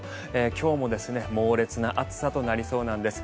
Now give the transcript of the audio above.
今日も猛烈な暑さとなりそうなんです。